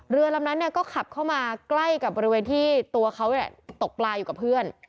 เรือลำนั้นก็ขับเข้ามาใกล้กับบริเวณที่ตัวเขาตกปลาอยู่กับเพื่อน